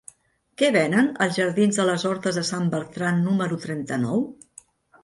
Què venen als jardins de les Hortes de Sant Bertran número trenta-nou?